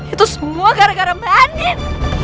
itu semua gara gara mbak andien